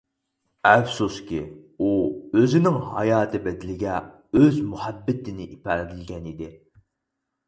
ئەپسۇسكى، ئۇ ئۆزىنىڭ ھاياتى بەدىلىگە ئۆز مۇھەببىتىنى ئىپادىلىگەن ئىدى.